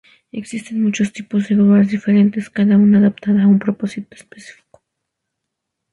Existen muchos tipos de grúas diferentes, cada una adaptada a un propósito específico.